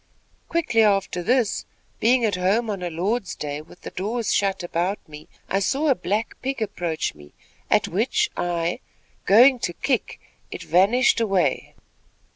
Quickly after this, being at home on a Lord's Day, with the doors shut about me, I saw a black pig approach me, at which I, going to kick, it vanished away.